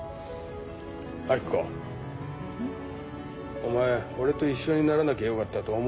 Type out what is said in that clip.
お前俺と一緒にならなきゃよかったと思うことないか？